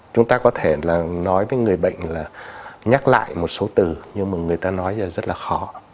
chúng ta có thể là nói với người bệnh là nhắc lại một số từ nhưng mà người ta nói là rất là khó